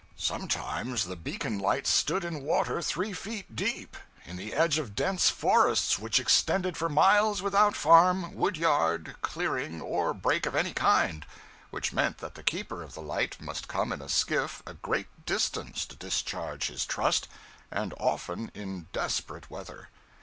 Sometimes the beacon lights stood in water three feet deep, in the edge of dense forests which extended for miles without farm, wood yard, clearing, or break of any kind; which meant that the keeper of the light must come in a skiff a great distance to discharge his trust, and often in desperate weather.